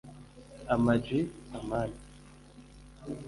Ama-G (Amani)